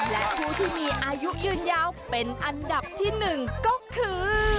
และผู้ที่มีอายุยืนยาวเป็นอันดับที่๑ก็คือ